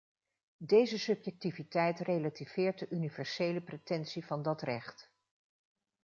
Deze subjectiviteit relativeert de universele pretentie van dat recht.